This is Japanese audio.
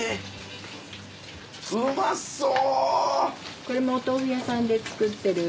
うまそう！